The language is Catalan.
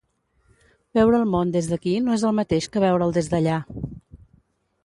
Veure el món des d'aquí no és el mateix que veure'l des d'allà.